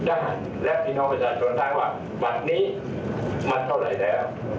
ได้ไหมและพินักภาษาชวนทางว่าวันนี้มันเท่าไหร่แล้ว